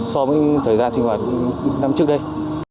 so với thời gian sinh hoạt năm trước đây